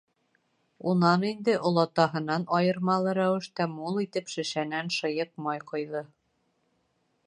Унан инде, олатаһынан айырмалы рәүештә, мул итеп шешәнән шыйыҡ май ҡойҙо.